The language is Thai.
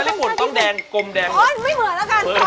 บริปุ่นก็ไม่เหมือนอะไรกัน